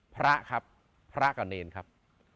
พระครับพระกับเนรครับ